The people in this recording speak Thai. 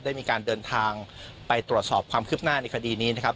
ได้มีการเดินทางไปตรวจสอบความคืบหน้าในคดีนี้นะครับ